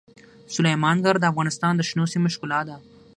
سلیمان غر د افغانستان د شنو سیمو ښکلا ده.